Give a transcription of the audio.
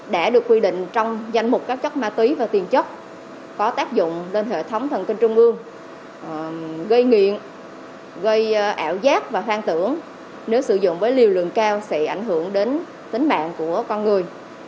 để được quy định trong danh mục các chất ma túy và tiền chất có tác dụng lên hệ thống thần kinh trung ương gây nghiện gây ảo giác và hoang tưởng nếu sử dụng với liều lượng cao sẽ ảnh hưởng đến tính mạng của con người